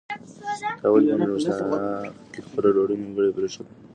تا ولې په مېلمستیا کې خپله ډوډۍ نیمګړې پرېښوده؟